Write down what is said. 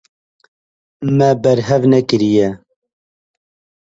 Me berhev nekiriye.